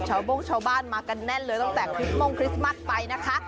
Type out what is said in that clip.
โบ้งชาวบ้านมากันแน่นเลยตั้งแต่คริสม่วงคริสต์มัสไปนะคะ